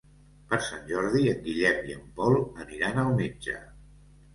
Per Sant Jordi en Guillem i en Pol aniran al metge.